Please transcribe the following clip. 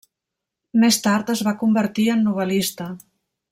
Més tard es va convertir en novel·lista.